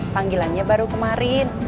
panggilannya baru kemarin